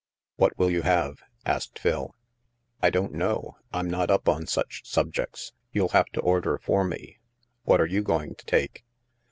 What will you have?'* asked Phil. I don't know. I'm not up on such subjects. You'll have to order for me. What are you going to take?"